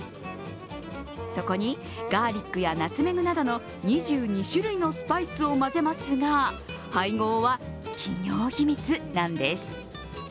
そこに、ガーリックやナツメグなどの２２種類のスパイスを混ぜますが、配合は企業秘密なんです。